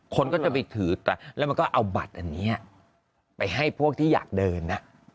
คนก็จะไปถือแต่แล้วมันก็เอาบัตรอันนี้ไปให้พวกที่อยากเดินนะ